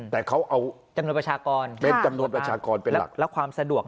แต่เขาเอาเป็นจำนวนประชากรเป็นหลัก